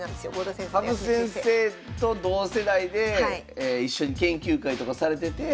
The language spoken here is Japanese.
羽生先生と同世代で一緒に研究会とかされてて。